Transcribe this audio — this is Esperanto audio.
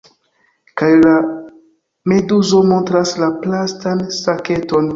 Kaj la meduzo montras la plastan saketon.